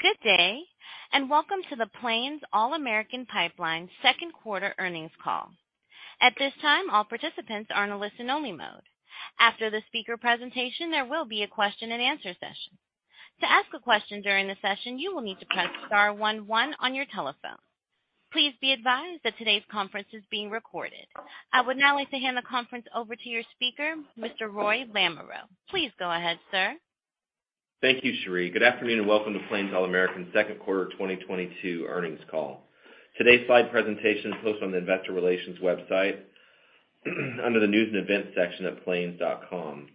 Good day, and Welcome to the Plains All American Pipeline Q2 Earnings Call. At this time, all participants are in a listen-only mode. After the speaker presentation, there will be a question and answer session. To ask a question during the session, you will need to press star one one on your telephone. Please be advised that today's conference is being recorded. I would now like to hand the conference over to your speaker, Mr. Roy Lamoreaux. Please go ahead, sir. Thank you, Cherie. Good afternoon, and welcome to Plains All American Q2 2022 earnings call. Today's slide presentation is hosted on the investor relations website under the News and Events section at plains.com,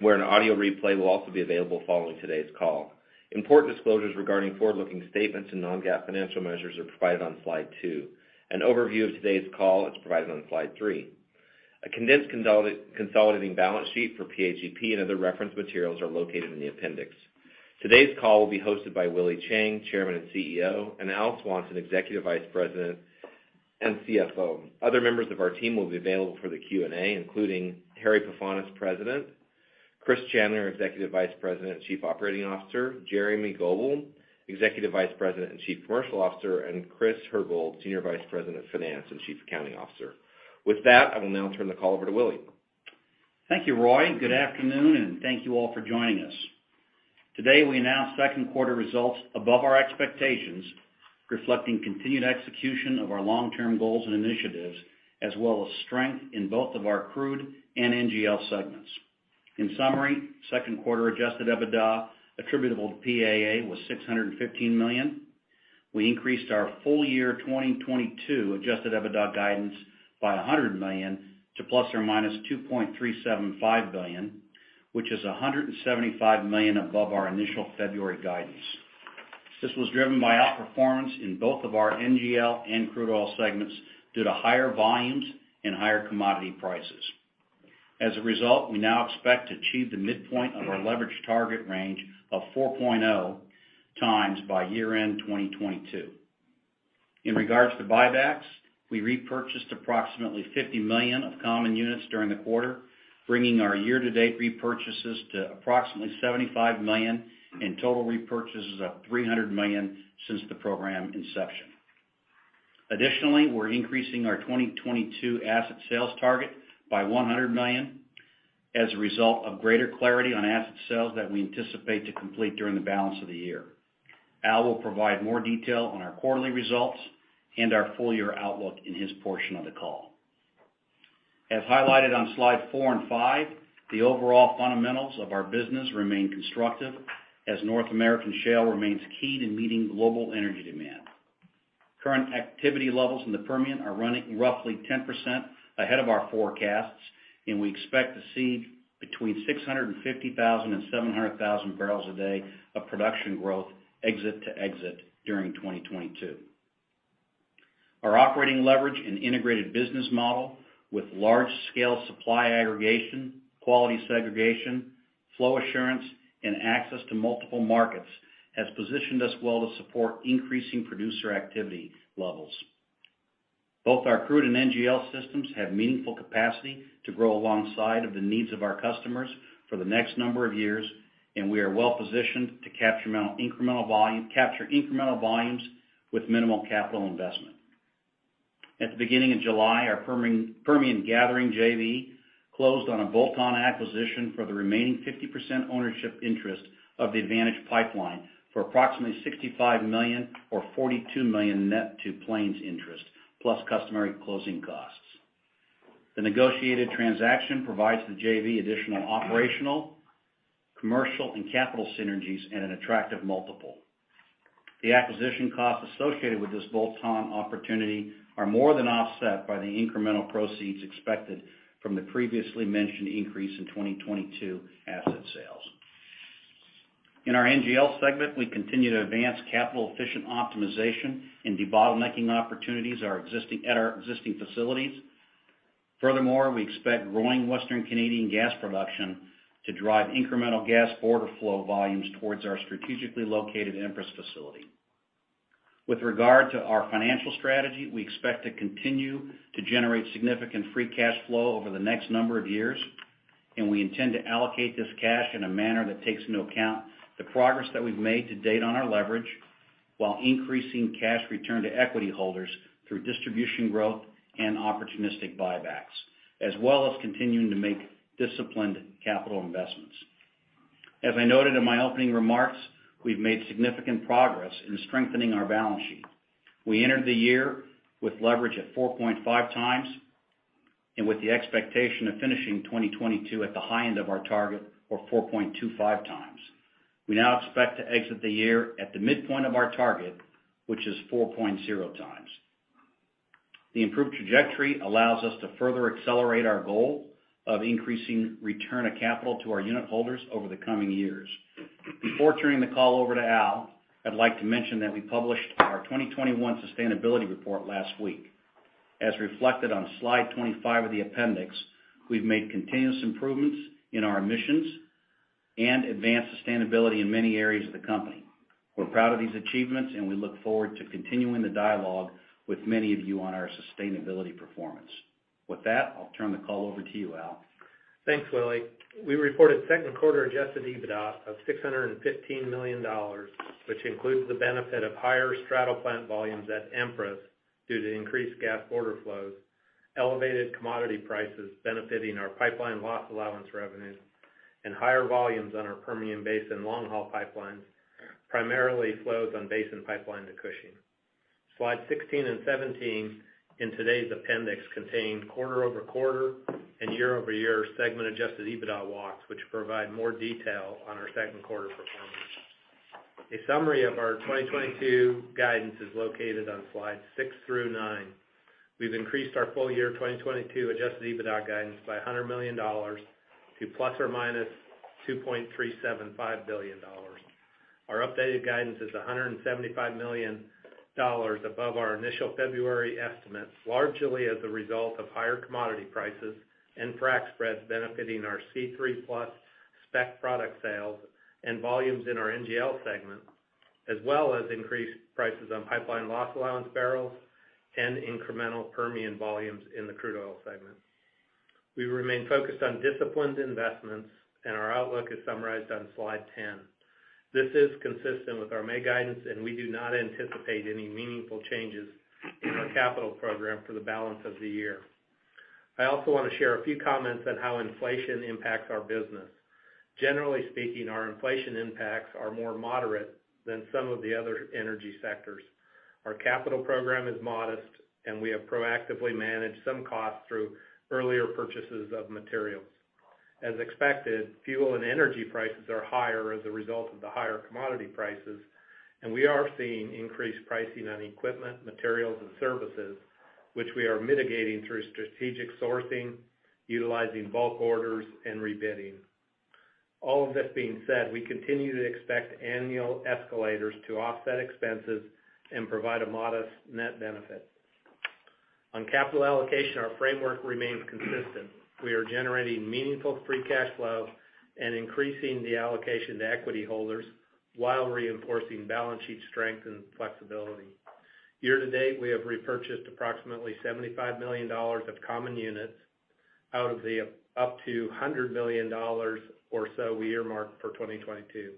where an audio replay will also be available following today's call. Important disclosures regarding forward-looking statements to non-GAAP financial measures are provided on slide two. An overview of today's call is provided on slide three. A condensed consolidating balance sheet for PAGP and other reference materials are located in the appendix. Today's call will be hosted by Willie Chiang, Chairman and CEO, and Al Swanson, Executive Vice President and CFO. Other members of our team will be available for the Q&A, including Harry Pefanis, President, Chris Chandler, Executive Vice President and Chief Operating Officer, Jeremy Goebel, Executive Vice President and Chief Commercial Officer, and Chris Herbold, Senior Vice President of Finance and Chief Accounting Officer. With that, I will now turn the call over to Willie. Thank you, Roy. Good afternoon, and thank you all for joining us. Today, we announced Q2 results above our expectations, reflecting continued execution of our long-term goals and initiatives, as well as strength in both of our crude and NGL segments. In summary, Q2 Adjusted EBITDA attributable to PAA was $615 million. We increased our full year 2022 Adjusted EBITDA guidance by $100 million to ±$2.375 billion, which is $175 million above our initial February guidance. This was driven by outperformance in both of our NGL and crude oil segments due to higher volumes and higher commodity prices. As a result, we now expect to achieve the midpoint of our leverage target range of 4.0 times by year-end 2022. In regards to buybacks, we repurchased approximately $50 million of common units during the quarter, bringing our year-to-date repurchases to approximately $75 million and total repurchases of $300 million since the program inception. Additionally, we're increasing our 2022 asset sales target by $100 million as a result of greater clarity on asset sales that we anticipate to complete during the balance of the year. Al will provide more detail on our quarterly results and our full year outlook in his portion of the call. As highlighted on slide four and five, the overall fundamentals of our business remain constructive as North American shale remains key to meeting global energy demand. Current activity levels in the Permian are running roughly 10% ahead of our forecasts, and we expect to see between 650,000 and 700,000 barrels a day of production growth exit to exit during 2022. Our operating leverage and integrated business model with large scale supply aggregation, quality segregation, flow assurance, and access to multiple markets has positioned us well to support increasing producer activity levels. Both our crude and NGL systems have meaningful capacity to grow alongside of the needs of our customers for the next number of years, and we are well-positioned to capture incremental volumes with minimal capital investment. At the beginning of July, our Permian Gathering JV closed on a bolt-on acquisition for the remaining 50% ownership interest of the Advantage Pipeline for approximately $65 million or $42 million net to Plains interest, plus customary closing costs. The negotiated transaction provides the JV additional operational, commercial, and capital synergies at an attractive multiple. The acquisition costs associated with this bolt-on opportunity are more than offset by the incremental proceeds expected from the previously mentioned increase in 2022 asset sales. In our NGL segment, we continue to advance capital efficient optimization and debottlenecking opportunities at our existing facilities. Furthermore, we expect growing Western Canadian gas production to drive incremental cross-border gas flow volumes towards our strategically located Sarnia facility. With regard to our financial strategy, we expect to continue to generate significant free cash flow over the next number of years, and we intend to allocate this cash in a manner that takes into account the progress that we've made to date on our leverage while increasing cash return to equity holders through distribution growth and opportunistic buybacks, as well as continuing to make disciplined capital investments. As I noted in my opening remarks, we've made significant progress in strengthening our balance sheet. We entered the year with leverage at 4.5 times and with the expectation of finishing 2022 at the high end of our target of 4.25 times. We now expect to exit the year at the midpoint of our target, which is 4.0 times. The improved trajectory allows us to further accelerate our goal of increasing return of capital to our unitholders over the coming years. Before turning the call over to Al, I'd like to mention that we published our 2021 sustainability report last week. As reflected on slide 25 of the appendix, we've made continuous improvements in our emissions and advanced sustainability in many areas of the company. We're proud of these achievements, and we look forward to continuing the dialogue with many of you on our sustainability performance. With that, I'll turn the call over to you, Al. Thanks, Willie. We reported Q2 Adjusted EBITDA of $615 million, which includes the benefit of higher straddle plant volumes at Empress due to increased gas border flows, elevated commodity prices benefiting our pipeline loss allowance revenue and higher volumes on our Permian Basin long-haul pipelines, primarily flows on Basin Pipeline to Cushing. Slide 16 and 17 in today's appendix contain quarter-over-quarter and year-over-year segment Adjusted EBITDA walks, which provide more detail on our Q2 performance. A summary of our 2022 guidance is located on slide six through nine. We've increased our full year 2022 Adjusted EBITDA guidance by $100 million to ±$2.375 billion. Our updated guidance is $175 million above our initial February estimates, largely as a result of higher commodity prices and frac spreads benefiting our C3+ spec product sales and volumes in our NGL segment, as well as increased prices on pipeline loss allowance barrels and incremental Permian volumes in the crude oil segment. We remain focused on disciplined investments, and our outlook is summarized on slide 10. This is consistent with our May guidance, and we do not anticipate any meaningful changes in our capital program for the balance of the year. I also want to share a few comments on how inflation impacts our business. Generally speaking, our inflation impacts are more moderate than some of the other energy sectors. Our capital program is modest, and we have proactively managed some costs through earlier purchases of materials. As expected, fuel and energy prices are higher as a result of the higher commodity prices, and we are seeing increased pricing on equipment, materials and services, which we are mitigating through strategic sourcing, utilizing bulk orders and rebidding. All of this being said, we continue to expect annual escalators to offset expenses and provide a modest net benefit. On capital allocation, our framework remains consistent. We are generating meaningful free cash flow and increasing the allocation to equity holders while reinforcing balance sheet strength and flexibility. Year-to-date, we have repurchased approximately $75 million of common units out of the up to $100 million or so we earmarked for 2022.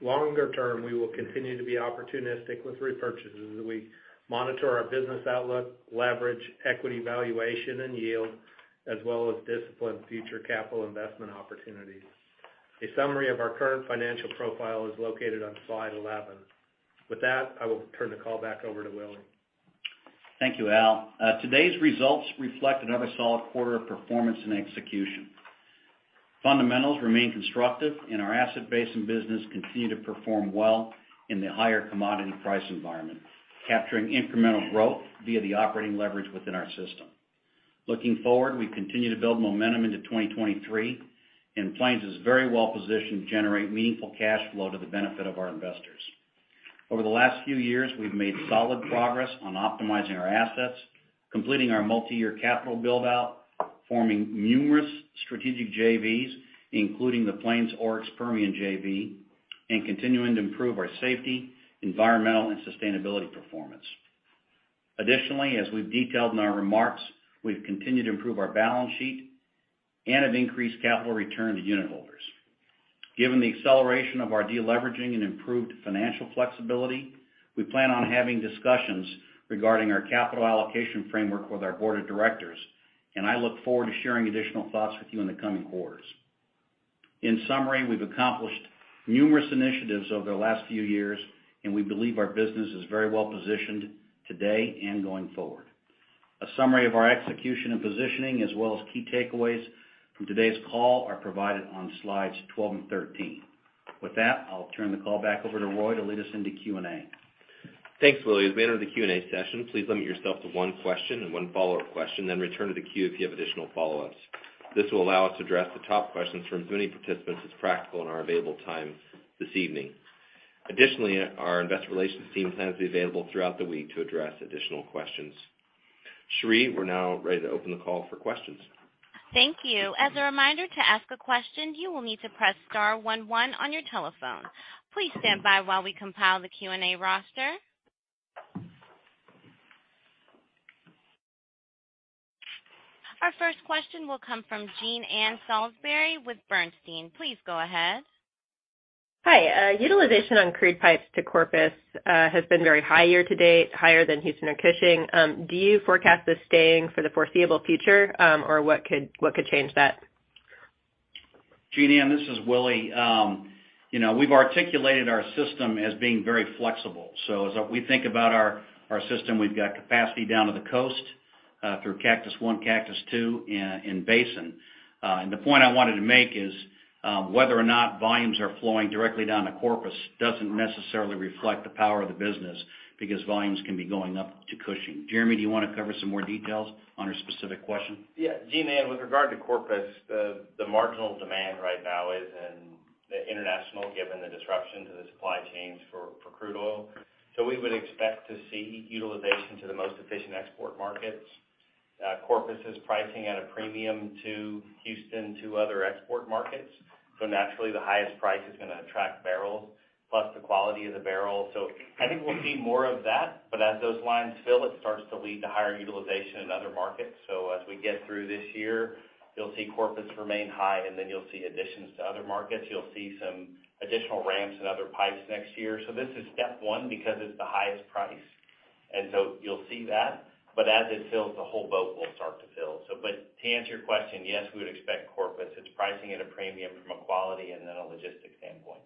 Longer term, we will continue to be opportunistic with repurchases as we monitor our business outlook, leverage equity valuation and yield, as well as discipline future capital investment opportunities. A summary of our current financial profile is located on slide 11. With that, I will turn the call back over to Willie. Thank you, Al. Today's results reflect another solid quarter of performance and execution. Fundamentals remain constructive, and our asset base and business continue to perform well in the higher commodity price environment, capturing incremental growth via the operating leverage within our system. Looking forward, we continue to build momentum into 2023, and Plains is very well positioned to generate meaningful cash flow to the benefit of our investors. Over the last few years, we've made solid progress on optimizing our assets, completing our multi-year capital build-out, forming numerous strategic JVs, including the Plains Oryx Permian JV, and continuing to improve our safety, environmental and sustainability performance. Additionally, as we've detailed in our remarks, we've continued to improve our balance sheet and have increased capital return to unit holders. Given the acceleration of our de-leveraging and improved financial flexibility, we plan on having discussions regarding our capital allocation framework with our board of directors, and I look forward to sharing additional thoughts with you in the coming quarters. In summary, we've accomplished numerous initiatives over the last few years, and we believe our business is very well positioned today and going forward. A summary of our execution and positioning as well as key takeaways from today's call are provided on slides 12 and 13. With that, I'll turn the call back over to Roy to lead us into Q&A. Thanks, Willie. As we enter the Q&A session, please limit yourself to one question and one follow-up question, then return to the queue if you have additional follow-ups. This will allow us to address the top questions from as many participants as practical in our available time this evening. Additionally, our investor relations team plans to be available throughout the week to address additional questions. Cherie, we're now ready to open the call for questions. Thank you. As a reminder, to ask a question, you will need to press star one one on your telephone. Please stand by while we compile the Q&A roster. Our first question will come from Jean Ann Salisbury with Bernstein. Please go ahead. Hi. Utilization on crude pipes to Corpus has been very high year-to-date, higher than Houston or Cushing. Do you forecast this staying for the foreseeable future? What could change that? Jean Ann, this is Willie. You know, we've articulated our system as being very flexible. As we think about our system, we've got capacity down to the coast through Cactus One, Cactus Two, and Basin. The point I wanted to make is whether or not volumes are flowing directly down to Corpus doesn't necessarily reflect the power of the business because volumes can be going up to Cushing. Jeremy, do you wanna cover some more details on her specific question? Yeah. Jean Ann, with regard to Corpus, the marginal demand right now is in the international given the disruption to the supply chains for crude oil. We would expect to see utilization to the most efficient export markets. Corpus is pricing at a premium to Houston to other export markets. Naturally, the highest price is gonna attract barrels plus the quality of the barrel. I think we'll see more of that, but as those lines fill, it starts to lead to higher utilization in other markets. As we get through this year, you'll see Corpus remain high, and then you'll see additions to other markets. You'll see some additional ramps and other pipes next year. This is step one because it's the highest price. You'll see that, but as it fills, the whole boat will start to fill. To answer your question, yes, we would expect Corpus. It's pricing at a premium from a quality and then a logistics standpoint.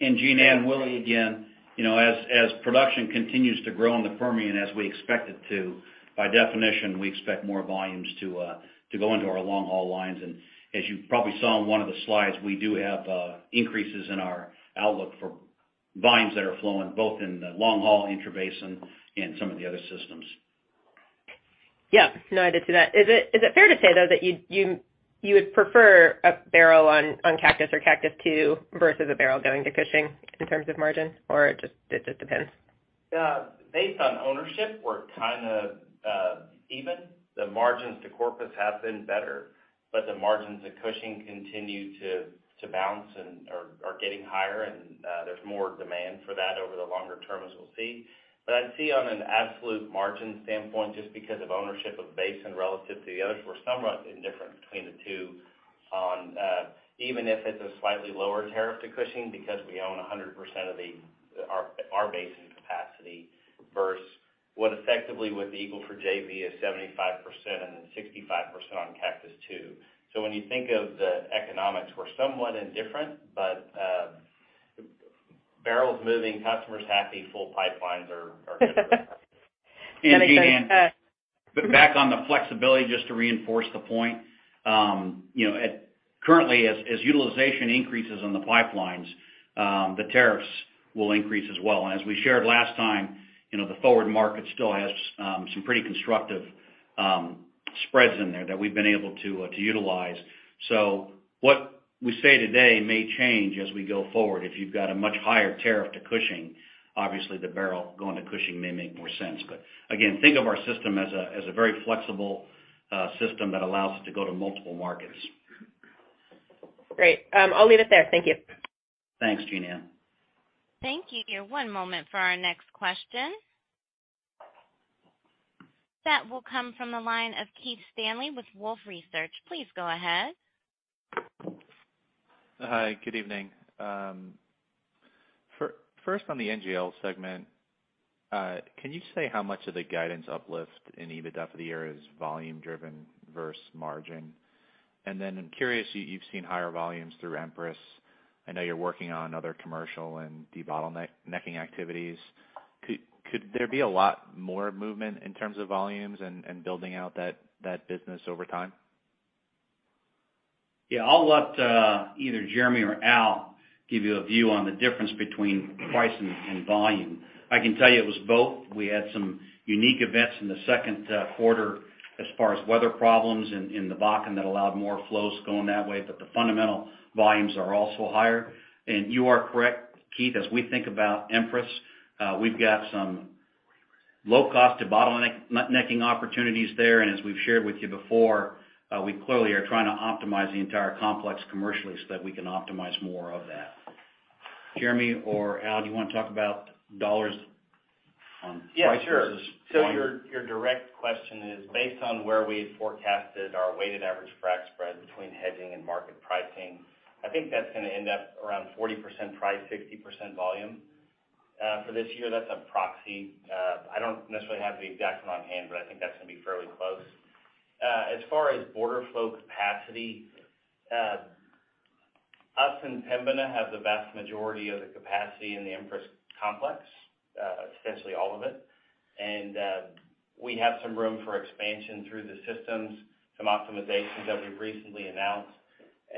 Jean Ann, Willie again, you know, as production continues to grow in the Permian, and as we expect it to, by definition, we expect more volumes to go into our long-haul lines. As you probably saw in one of the slides, we do have increases in our outlook for volumes that are flowing both in the long-haul intra-basin and some of the other systems. Yeah. No, I did see that. Is it fair to say, though, that you would prefer a barrel on Cactus or Cactus two versus a barrel going to Cushing in terms of margin, or it just depends? Based on ownership, we're kind of even. The margins to Corpus have been better, but the margins at Cushing continue to bounce and are getting higher, and there's more demand for that over the longer term, as we'll see. I'd see on an absolute margin standpoint, just because of ownership of basin relative to the others we're somewhat indifferent between the two on even if it's a slightly lower tariff to Cushing because we own 100% of our basin capacity versus what effectively with Eagle Ford JV is 75% and then 65% on Cactus Two. When you think of the economics, we're somewhat indifferent, but barrels moving, customers happy, full pipelines are good for us. Jean Ann, back on the flexibility just to reinforce the point. You know, currently as utilization increases on the pipelines, the tariffs will increase as well. And as we shared last time, you know, the forward market still has some pretty constructive spreads in there that we've been able to to utilize. So what we say today may change as we go forward. If you've got a much higher tariff to Cushing, obviously the barrel going to Cushing may make more sense. But again, think of our system as a very flexible system that allows it to go to multiple markets. Great. I'll leave it there. Thank you. Thanks, Jean Ann. Thank you. One moment for our next question. That will come from the line of Keith Stanley with Wolfe Research. Please go ahead. Hi, good evening. First on the NGL segment, can you say how much of the guidance uplift in EBITDA for the year is volume driven versus margin? I'm curious, you've seen higher volumes through Empress. I know you're working on other commercial and debottlenecking activities. Could there be a lot more movement in terms of volumes and building out that business over time? Yeah. I'll let either Jeremy or Al give you a view on the difference between price and volume. I can tell you it was both. We had some unique events in the Q2 as far as weather problems in the Bakken that allowed more flows going that way, but the fundamental volumes are also higher. You are correct, Keith. As we think about Empress, we've got some low cost debottlenecking opportunities there, and as we've shared with you before, we clearly are trying to optimize the entire complex commercially so that we can optimize more of that. Jeremy or Al, do you wanna talk about dollars on price versus volume? Yeah, sure. Your direct question is based on where we forecasted our weighted average frac spread between hedging and market pricing. I think that's gonna end up around 40% price, 60% volume, for this year. That's a proxy. I don't necessarily have the exact one on hand, but I think that's gonna be fairly close. As far as border flow capacity, us and Pembina have the vast majority of the capacity in the Empress complex, essentially all of it. We have some room for expansion through the systems, some optimizations that we've recently announced.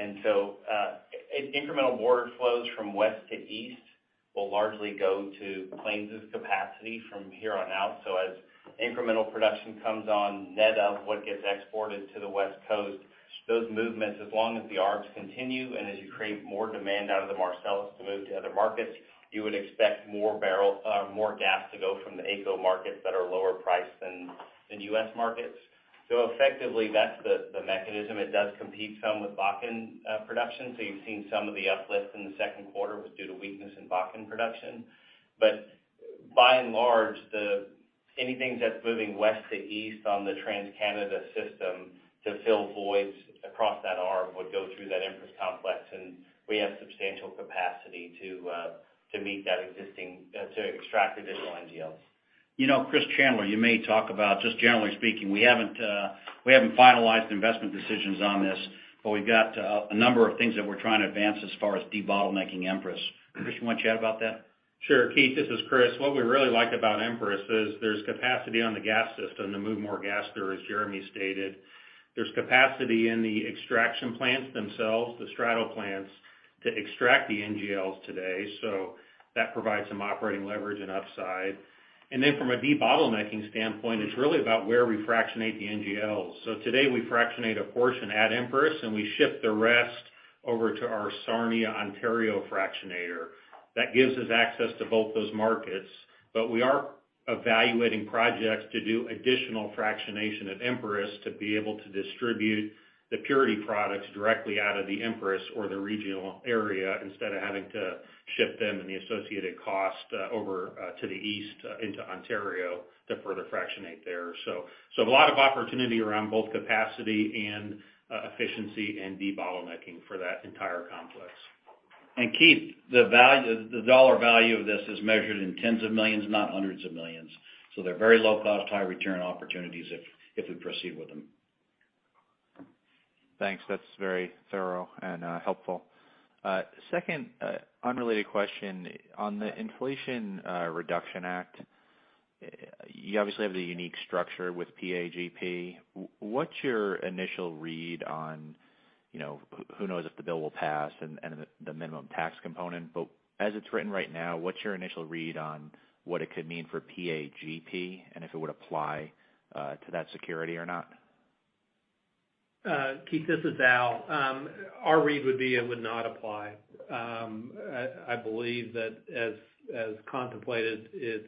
Incremental border flows from west to east will largely go to Plains' capacity from here on out. As incremental production comes on net of what gets exported to the West Coast, those movements, as long as the arcs continue and as you create more demand out of the Marcellus to move to other markets, you would expect more gas to go from the AECO markets that are lower priced than U.S. markets. Effectively, that's the mechanism. It does compete some with Bakken production. You've seen some of the uplift in the Q2 was due to weakness in Bakken production. By and large, anything that's moving west to east on the TransCanada system to fill voids across that arc would go through that Empress complex, and we have substantial capacity to extract additional NGLs. You know, Chris Chandler, you may talk about just generally speaking, we haven't finalized investment decisions on this, but we've got a number of things that we're trying to advance as far as debottlenecking Empress. Chris, you want to chat about that? Sure, Keith, this is Chris. What we really like about Empress is there's capacity on the gas system to move more gas through, as Jeremy stated. There's capacity in the extraction plants themselves, the straddle plants, to extract the NGLs today, so that provides some operating leverage and upside. From a debottlenecking standpoint, it's really about where we fractionate the NGLs. Today we fractionate a portion at Empress, and we ship the rest over to our Sarnia, Ontario fractionator. That gives us access to both those markets. We are Evaluating projects to do additional fractionation at Empress to be able to distribute the purity products directly out of the Empress or the regional area instead of having to ship them and the associated cost, over, to the east, into Ontario to further fractionate there. A lot of opportunity around both capacity and efficiency and debottlenecking for that entire complex. Keith, the value, the dollar value of this is measured in $10s of millions, not $100s of millions. They're very low cost, high return opportunities if we proceed with them. Thanks. That's very thorough and helpful. Second, unrelated question. On the Inflation Reduction Act, you obviously have the unique structure with PAGP. What's your initial read on, you know, who knows if the bill will pass and the minimum tax component, but as it's written right now, what's your initial read on what it could mean for PAGP and if it would apply to that security or not? Keith, this is Al. Our read would be it would not apply. I believe that as contemplated, it's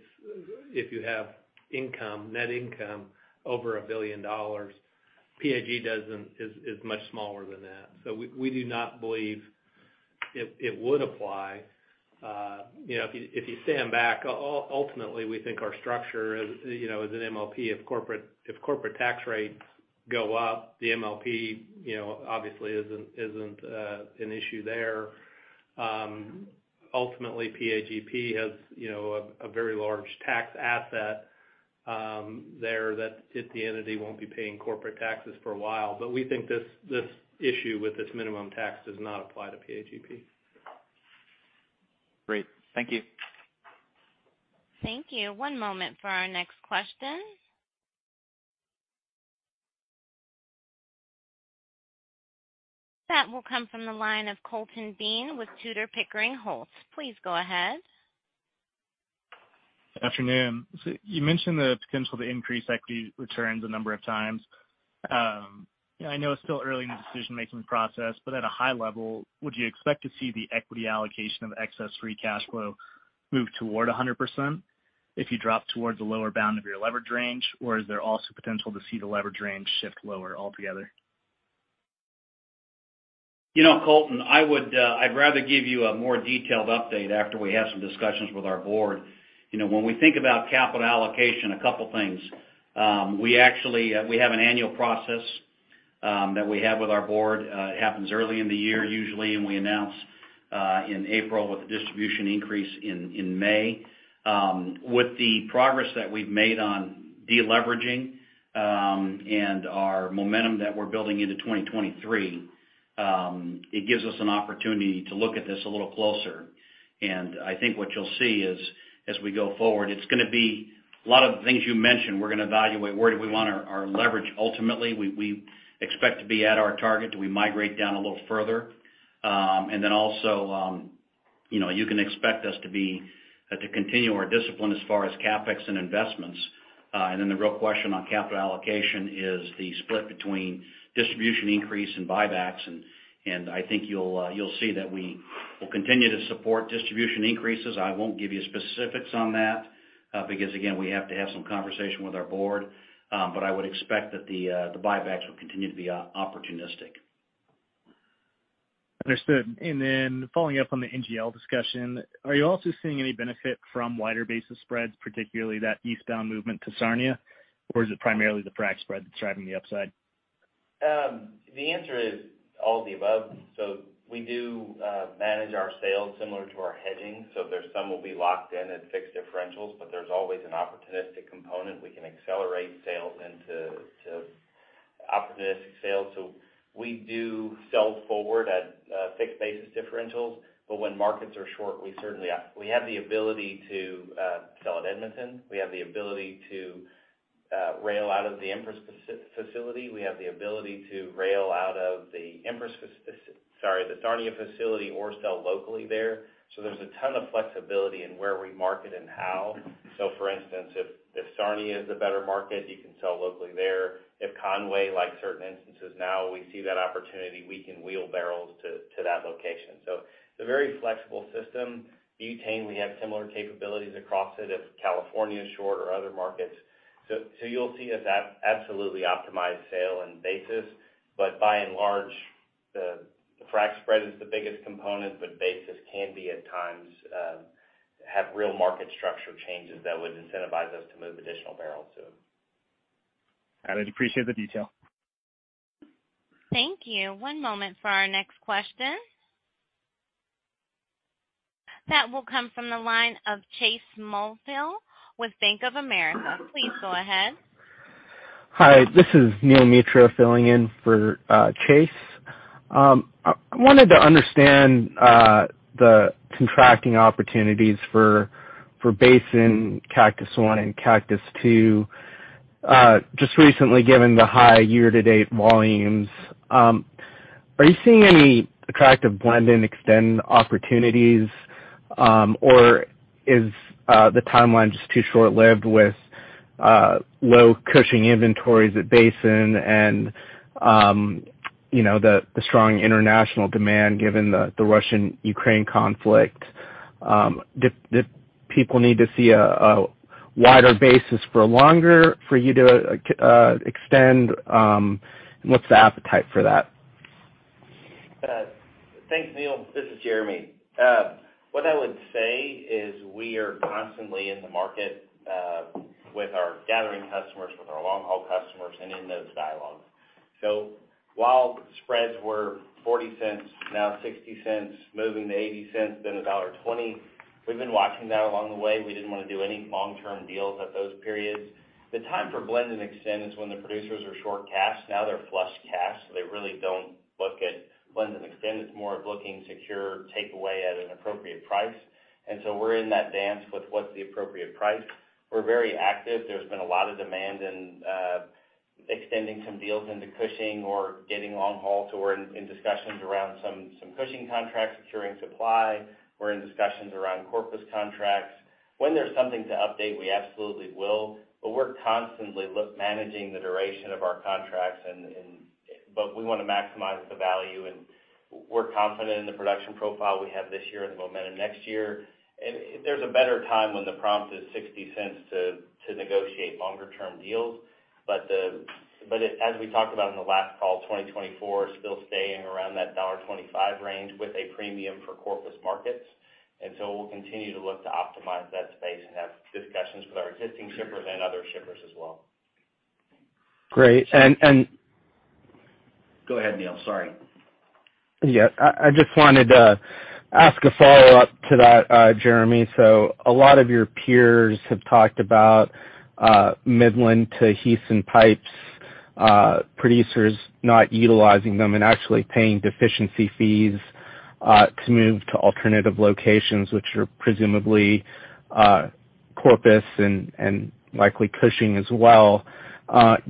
if you have income, net income over $1 billion, PAG is much smaller than that. We do not believe it would apply. You know, if you stand back, ultimately, we think our structure, you know, as an MLP, if corporate tax rates go up, the MLP, you know, obviously isn't an issue there. Ultimately, PAGP has, you know, a very large tax asset there that the entity won't be paying corporate taxes for a while. We think this issue with this minimum tax does not apply to PAGP. Great. Thank you. Thank you. One moment for our next question. That will come from the line of Colton Bean with Tudor, Pickering, Holt & Co. Please go ahead. Afternoon. You mentioned the potential to increase equity returns a number of times. I know it's still early in the decision-making process, but at a high level, would you expect to see the equity allocation of excess free cash flow move toward 100% if you drop towards the lower bound of your leverage range? Or is there also potential to see the leverage range shift lower altogether? You know, Colton, I would, I'd rather give you a more detailed update after we have some discussions with our board. You know, when we think about capital allocation, a couple things. We actually, we have an annual process, that we have with our board, happens early in the year usually, and we announce, in April with the distribution increase in May. With the progress that we've made on deleveraging, and our momentum that we're building into 2023, it gives us an opportunity to look at this a little closer. I think what you'll see is, as we go forward, it's gonna be a lot of the things you mentioned, we're gonna evaluate where do we want our leverage ultimately. We expect to be at our target. Do we migrate down a little further? Also, you know, you can expect us to continue our discipline as far as CapEx and investments. The real question on capital allocation is the split between distribution increase and buybacks. I think you'll see that we will continue to support distribution increases. I won't give you specifics on that, because again, we have to have some conversation with our board. I would expect that the buybacks will continue to be opportunistic. Understood. Following up on the NGL discussion, are you also seeing any benefit from wider basis spreads, particularly that eastbound movement to Sarnia? Is it primarily the frac spread that's driving the upside? The answer is all of the above. We do manage our sales similar to our hedging. There's some will be locked in at fixed differentials, but there's always an opportunistic component. We can accelerate sales into opportunistic sales. We do sell forward at fixed basis differentials. When markets are short, we certainly have the ability to sell at Edmonton. We have the ability to rail out of the Empress facility. We have the ability to rail out of the Sarnia facility or sell locally there. There's a ton of flexibility in where we market and how. For instance, if Sarnia is a better market, you can sell locally there. If Conway, like certain instances now, we see that opportunity, we can wheel barrels to that location. It's a very flexible system. Ethane, we have similar capabilities across it if California is short or other markets. You'll see us absolutely optimize sale and basis. By and large, the frac spread is the biggest component, but basis can at times have real market structure changes that would incentivize us to move additional barrels, too. Got it. Appreciate the detail. Thank you. One moment for our next question. That will come from the line of Chase Mulvehill with Bank of America. Please go ahead. Hi, this is Neel Mitra filling in for Chase. I wanted to understand the contracting opportunities for Basin, Cactus I and Cactus II just recently given the high year-to-date volumes. Are you seeing any attractive blend-and-extend opportunities, or is the timeline just too short-lived with low Cushing inventories at Basin and you know the strong international demand given the Russia-Ukraine conflict? Did people need to see a wider basis for longer for you to extend, and what's the appetite for that? Thanks, Neel. This is Jeremy. What I would say is we are constantly in the market with our gathering customers, with our long-haul customers and in those dialogues. While spreads were $0.40, now $0.60, moving to $0.80, then $1.20, we've been watching that along the way. We didn't wanna do any long-term deals at those periods. The time for blend and extend is when the producers are short cash. Now they're flush cash, so they really don't look at blend and extend. It's more of looking secure takeaway at an appropriate price. We're in that dance with what's the appropriate price. We're very active. There's been a lot of demand in extending some deals into Cushing or getting long-haul to and discussions around some Cushing contracts, securing supply. We're in discussions around Corpus contracts. When there's something to update, we absolutely will, but we're constantly managing the duration of our contracts but we wanna maximize the value, and we're confident in the production profile we have this year and the momentum next year. There's a better time when the prompt is $0.60 to negotiate longer term deals. As we talked about in the last call, 2024 is still staying around that $1.25 range with a premium for Corpus markets. We'll continue to look to optimize that space and have discussions with our existing shippers and other shippers as well. Great. Go ahead, Neel. Sorry. Yeah. I just wanted to ask a follow-up to that, Jeremy. A lot of your peers have talked about Midland to Houston pipes, producers not utilizing them and actually paying deficiency fees to move to alternative locations, which are presumably Corpus and likely Cushing as well.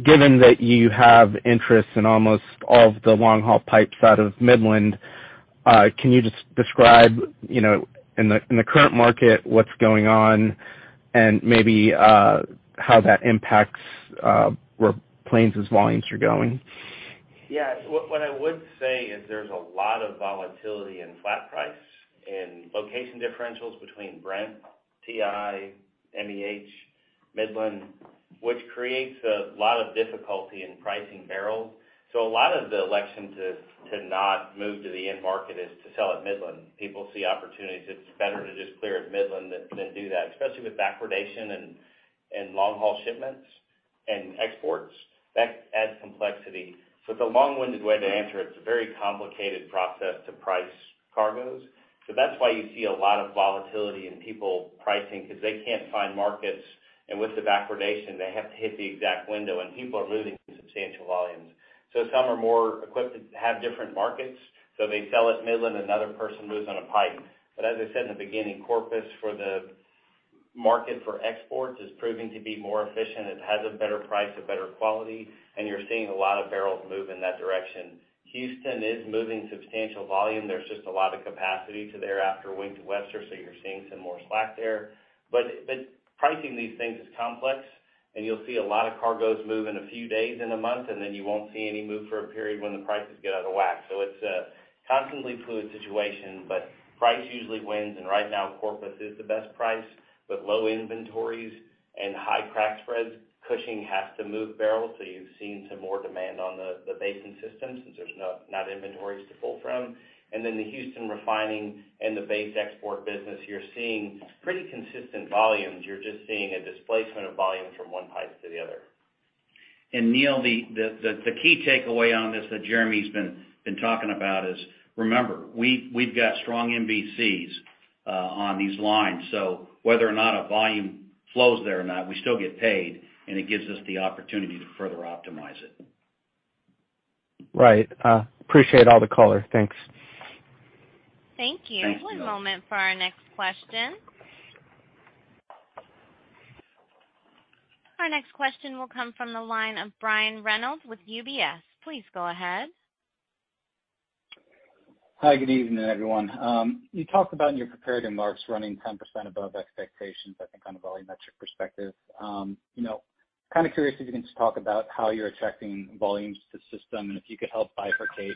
Given that you have interest in almost all of the long-haul pipes out of Midland, can you just describe, you know, in the current market, what's going on and maybe how that impacts where Plains' volumes are going? Yeah. What I would say is there's a lot of volatility in flat price and location differentials between Brent, WTI, MEH, Midland, which creates a lot of difficulty in pricing barrels. A lot of the election to not move to the end market is to sell at Midland. People see opportunities. It's better to just clear at Midland than do that, especially with backwardation and long-haul shipments and exports. That adds complexity. It's a long-winded way to answer. It's a very complicated process to price cargoes. That's why you see a lot of volatility in people pricing because they can't find markets. With the backwardation, they have to hit the exact window, and people are losing substantial volumes. Some are more equipped to have different markets, so they sell at Midland, another person moves on a pipe. As I said in the beginning, Corpus for the market for exports is proving to be more efficient. It has a better price, a better quality, and you're seeing a lot of barrels move in that direction. Houston is moving substantial volume. There's just a lot of capacity to thereafter Wink to Webster, so you're seeing some more slack there. Pricing these things is complex, and you'll see a lot of cargoes move in a few days in a month, and then you won't see any move for a period when the prices get out of whack. It's a constantly fluid situation, but price usually wins. Right now, Corpus is the best price with low inventories and high crack spreads. Cushing has to move barrels, so you've seen some more demand on the Basin system since there's not inventories to pull from. The Houston refining and the base export business, you're seeing pretty consistent volumes. You're just seeing a displacement of volume from one pipe to the other. Neel, the key takeaway on this that Jeremy's been talking about is remember, we've got strong MVCs on these lines. Whether or not a volume flows there or not, we still get paid, and it gives us the opportunity to further optimize it. Right. Appreciate all the color. Thanks. Thank you. Thank you. One moment for our next question. Our next question will come from the line of Brian Reynolds with UBS. Please go ahead. Hi. Good evening, everyone. You talked about in your prepared remarks running 10% above expectations, I think, on a volumetric perspective. You know, kind of curious if you can just talk about how you're attracting volumes to the system and if you could help bifurcate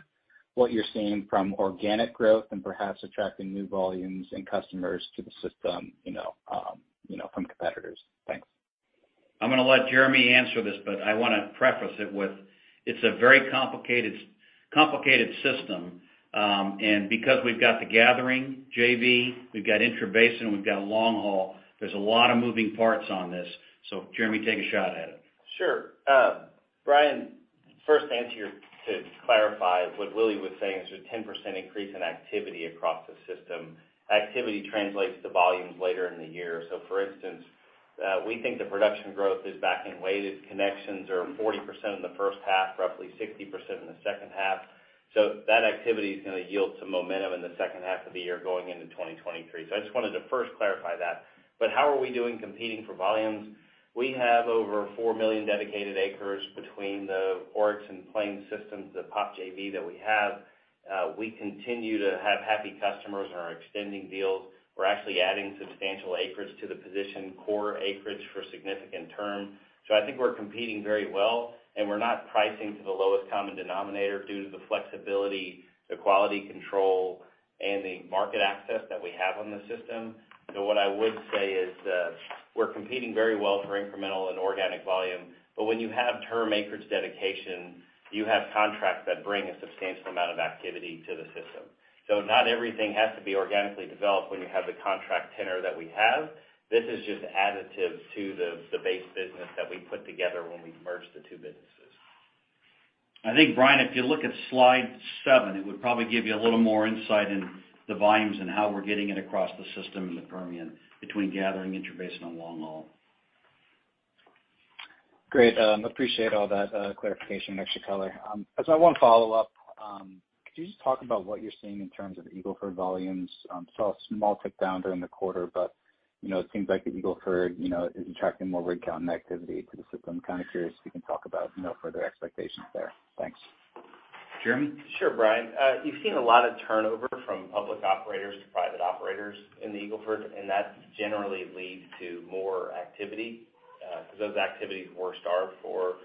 what you're seeing from organic growth and perhaps attracting new volumes and customers to the system, you know, from competitors. Thanks. I'm gonna let Jeremy answer this, but I wanna preface it with, it's a very complicated system. Because we've got the gathering JV, we've got intra-basin, we've got long haul, there's a lot of moving parts on this. Jeremy, take a shot at it. Sure. Brian, first answer to clarify what Willie was saying is a 10% increase in activity across the system. Activity translates to volumes later in the year. For instance, we think the production growth is back-loaded, weighted completions of 40% in the first half, roughly 60% in the second half. That activity is gonna yield some momentum in the second half of the year going into 2023. I just wanted to first clarify that. How are we doing competing for volumes? We have over four million dedicated acres between the Oryx and Plains systems, the POP JV that we have. We continue to have happy customers and are extending deals. We're actually adding substantial acreage to the position, core acreage for significant term. I think we're competing very well, and we're not pricing to the lowest common denominator due to the flexibility, the quality control, and the market access that we have on the system. What I would say is that we're competing very well for incremental and organic volume. When you have term acreage dedication, you have contracts that bring a substantial amount of activity to the system. Not everything has to be organically developed when you have the contract tenor that we have. This is just additive to the base business that we put together when we merged the two businesses. I think, Brian, if you look at slide seven it would probably give you a little more insight into the volumes and how we're getting it across the system in the Permian between gathering, intrabasin and long-haul. Great. Appreciate all that clarification and extra color. As I want to follow up, could you just talk about what you're seeing in terms of Eagle Ford volumes? Saw a small tick down during the quarter, but, you know, it seems like the Eagle Ford, you know, is attracting more rig count and activity to the system. Kind of curious if you can talk about, you know, further expectations there. Thanks. Jeremy? Sure, Brian. You've seen a lot of turnover from public operators to private operators in the Eagle Ford, and that generally leads to more activity, because those activities were starved for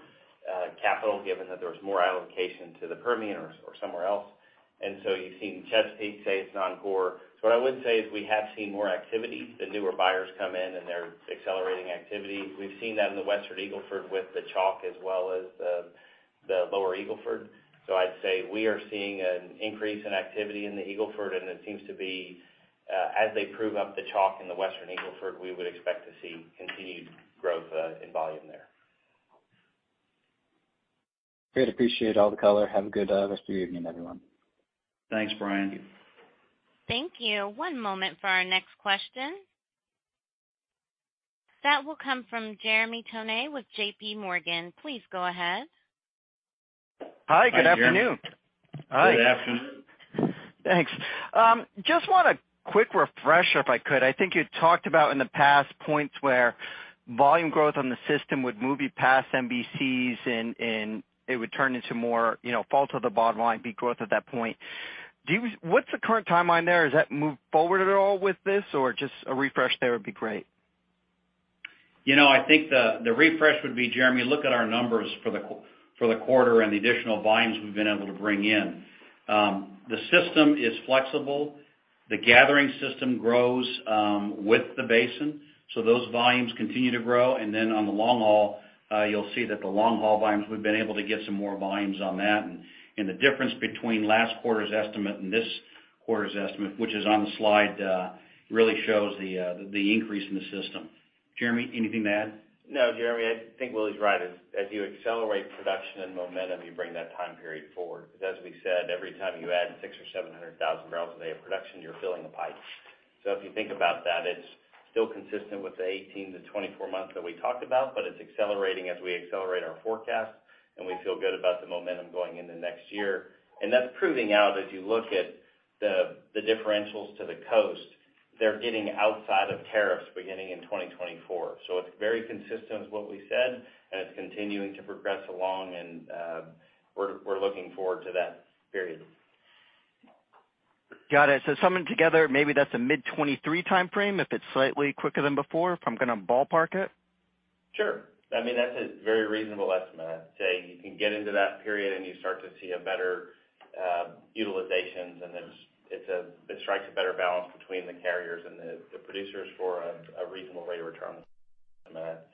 capital, given that there was more allocation to the Permian or somewhere else. You've seen Chesapeake, say, Encore. What I would say is we have seen more activity. The newer buyers come in, and they're accelerating activity. We've seen that in the Western Eagle Ford with the Chalk as well as the lower Eagle Ford. I'd say we are seeing an increase in activity in the Eagle Ford, and it seems to be as they prove up the Chalk in the Western Eagle Ford, we would expect to see continued growth in volume there. Great. Appreciate all the color. Have a good rest of your evening, everyone. Thanks, Brian. Thank you. One moment for our next question. That will come from Jeremy Tonet with J.P. Morgan. Please go ahead. Hi. Good afternoon. Hi, Jeremy. Good afternoon. Thanks. Just want a quick refresher, if I could. I think you talked about in the past points where volume growth on the system would move you past MVCs and it would turn into more, you know, fall to the bottom line, be growth at that point. What's the current timeline there? Has that moved forward at all with this? Or just a refresh there would be great. You know, I think the refresh would be, Jeremy, look at our numbers for the quarter and the additional volumes we've been able to bring in. The system is flexible. The gathering system grows with the basin, so those volumes continue to grow. On the long-haul, you'll see that the long-haul volumes, we've been able to get some more volumes on that. The difference between last quarter's estimate and this quarter's estimate, which is on the slide, really shows the increase in the system. Jeremy, anything to add? No, Jeremy. I think Willie's right. As you accelerate production and momentum, you bring that time period forward. Because as we said, every time you add 600,000 or 700,000 barrels a day of production, you're filling a pipe. If you think about that, it's still consistent with the 18-24 months that we talked about, but it's accelerating as we accelerate our forecast, and we feel good about the momentum going into next year. That's proving out as you look at the differentials to the coast. They're getting outside of tariffs beginning in 2024. It's very consistent with what we said, and it's continuing to progress along, and we're looking forward to that period. Got it. Summing together, maybe that's a mid-2023 timeframe if it's slightly quicker than before, if I'm gonna ballpark it. Sure. I mean, that's a very reasonable estimate. I'd say you can get into that period and you start to see a better utilizations and it's a It strikes a better balance between the carriers and the producers for a reasonable rate of return on the pipes.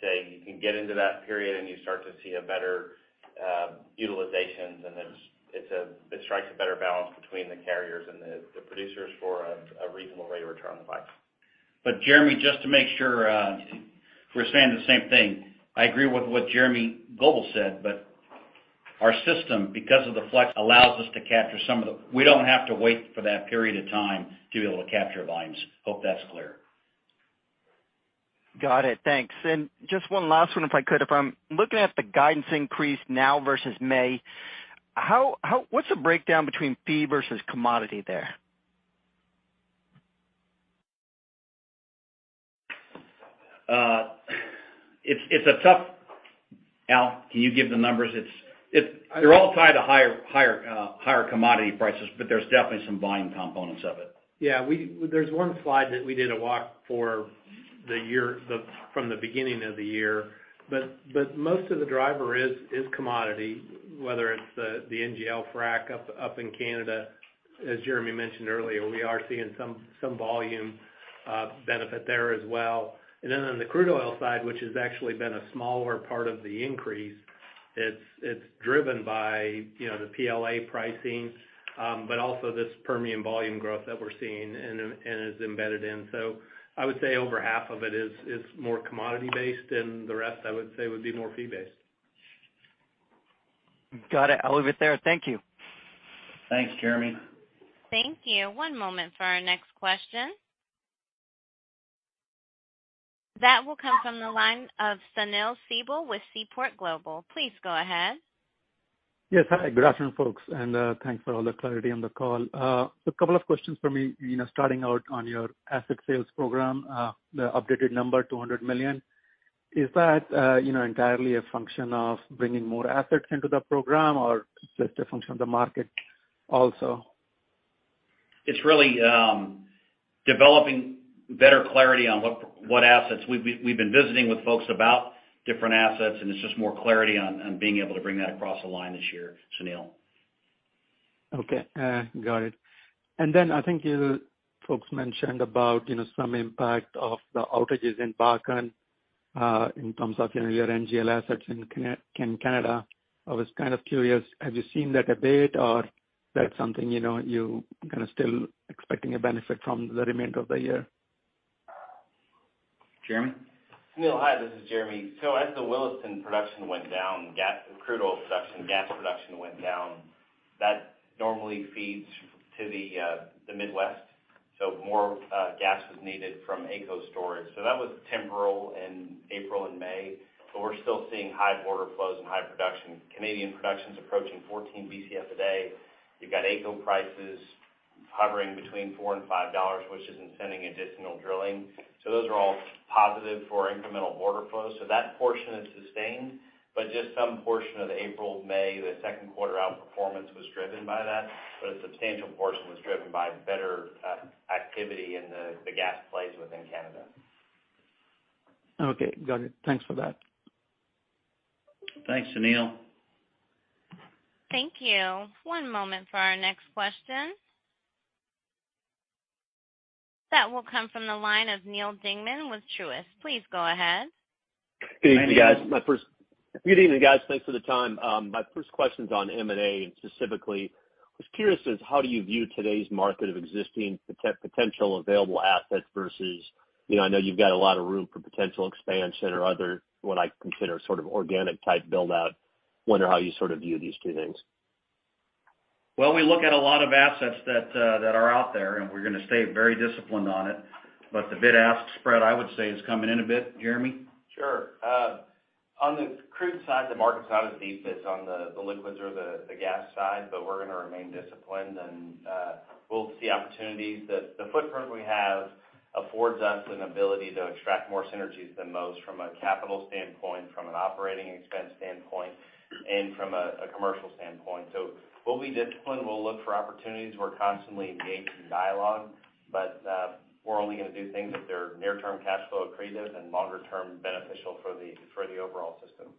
Jeremy, just to make sure, we're saying the same thing. I agree with what Jeremy Goebel said, but our system, because of the flex, allows us to capture some of the. We don't have to wait for that period of time to be able to capture volumes. Hope that's clear. Got it. Thanks. Just one last one, if I could. If I'm looking at the guidance increase now versus May, what's the breakdown between fee versus commodity there? It's a tough. Al, can you give the numbers? They're all tied to higher commodity prices, but there's definitely some volume components of it. Yeah. There's one slide that we did a walk for the year from the beginning of the year. Most of the driver is commodity, whether it's the NGL frac up in Canada. As Jeremy mentioned earlier, we are seeing some volume benefit there as well. Then on the crude oil side, which has actually been a smaller part of the increase, it's driven by, you know, the PLA pricing, but also this Permian volume growth that we're seeing and is embedded in. I would say over half of it is more commodity-based, and the rest I would say would be more fee-based. Got it. I'll leave it there. Thank you. Thanks, Jeremy. Thank you. One moment for our next question. That will come from the line of Sunil Sibal with Seaport Global. Please go ahead. Yes. Hi, good afternoon, folks, and thanks for all the clarity on the call. A couple of questions for me. You know, starting out on your asset sales program, the updated number, $200 million. Is that, you know, entirely a function of bringing more assets into the program or just a function of the market also? It's really developing better clarity on what assets. We've been visiting with folks about different assets, and it's just more clarity on being able to bring that across the line this year, Sunil. Okay, got it. I think you folks mentioned about, you know, some impact of the outages in Bakken, in terms of, you know, your NGL assets in Canada. I was kind of curious, have you seen that a bit or that's something, you know, you kind of still expecting a benefit from the remainder of the year? Jeremy? Sunil, hi. This is Jeremy. As the Williston production went down, crude oil production, gas production went down. That normally feeds to the Midwest. More gas was needed from AECO storage. That was temporary in April and May, but we're still seeing high border flows and high production. Canadian production's approaching 14 Bcf a day. You've got AECO prices hovering between $4 and $5, which is incenting additional drilling. Those are all positive for incremental border flows. That portion is sustained, but just some portion of the April-May, the Q2 outperformance was driven by that, but a substantial portion was driven by better activity in the gas plays within Canada. Okay, got it. Thanks for that. Thanks, Sunil. Thank you. One moment for our next question. That will come from the line of Neal Dingmann with Truist. Please go ahead. Good evening, guys. Thanks for the time. My first question's on M&A, and specifically, I was curious as to how do you view today's market of existing potential available assets versus, you know, I know you've got a lot of room for potential expansion or other, what I consider sort of organic-type build-out. Wonder how you sort of view these two things? Well, we look at a lot of assets that are out there, and we're gonna stay very disciplined on it. The bid-ask spread, I would say, is coming in a bit. Jeremy? Sure. On the crude side, the market's not as deep as on the liquids or the gas side, but we're gonna remain disciplined and we'll see opportunities. The footprint we have affords us an ability to extract more synergies than most from a capital standpoint, from an operating expense standpoint, and from a commercial standpoint. We'll be disciplined. We'll look for opportunities. We're constantly engaged in dialogue, but we're only gonna do things if they're near-term cash flow accretive and longer-term beneficial for the overall system.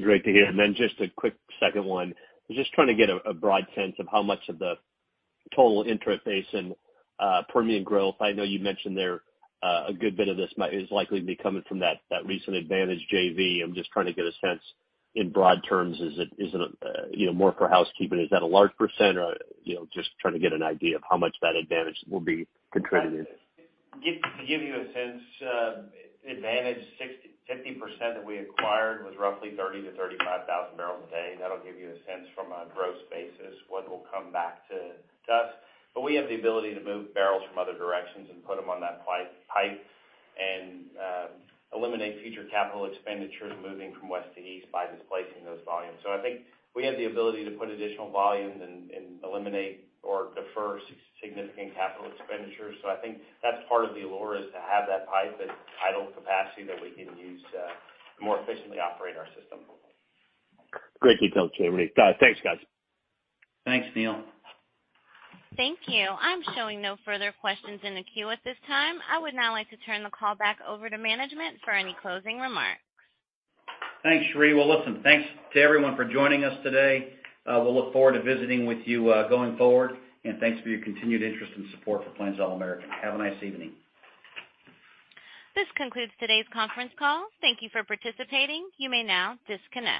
Great to hear. Then just a quick second one. I was just trying to get a broad sense of how much of the total intra-basin Permian growth. I know you mentioned there a good bit of this is likely to be coming from that recent Advantage JV. I'm just trying to get a sense in broad terms, is it you know, more for housekeeping, is that a large percent or, you know, just trying to get an idea of how much that Advantage will be contributing? To give you a sense, Advantage 50% that we acquired was roughly 30,000-35,000 barrels a day. That'll give you a sense from a gross basis what will come back to us. We have the ability to move barrels from other directions and put them on that pipe and eliminate future capital expenditures moving from west to east by displacing those volumes. I think we have the ability to put additional volume and eliminate or defer significant capital expenditures. I think that's part of the allure is to have that pipe at idle capacity that we can use to more efficiently operate our system. Greatly helped, Jeremy. Thanks, guys. Thanks, Neal. Thank you. I'm showing no further questions in the queue at this time. I would now like to turn the call back over to management for any closing remarks. Thanks, Cherie. Well, listen, thanks to everyone for joining us today. We'll look forward to visiting with you, going forward. Thanks for your continued interest and support for Plains All American. Have a nice evening. This concludes today's conference call. Thank you for participating. You may now disconnect.